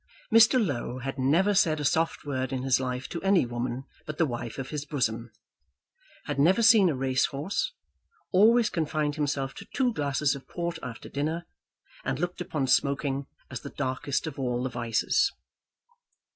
Mr. Low had never said a soft word in his life to any woman but the wife of his bosom, had never seen a racehorse, always confined himself to two glasses of port after dinner, and looked upon smoking as the darkest of all the vices.